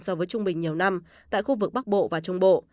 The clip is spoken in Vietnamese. so với trung bình nhiều năm tại khu vực bắc bộ và trung bộ